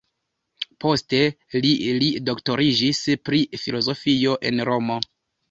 Poste li li doktoriĝis pri filozofio en Romo.